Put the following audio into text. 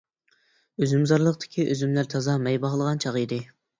ئۈزۈمزارلىقتىكى ئۈزۈملەر تازا مەي باغلىغان چاغ ئىدى.